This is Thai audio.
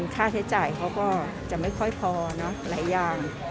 ค่าใช้จ่ายเขาก็จะไม่ค่อยพอเนอะหลายอย่าง